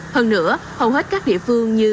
hơn nữa hầu hết các địa phương như